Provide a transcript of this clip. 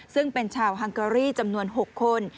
ซึ่งเป็นชาวฮังเกอรี่จำนวน๖คน